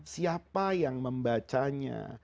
siapa yang membacanya